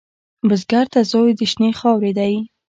بزګر ته زوی د شنې خاورې دی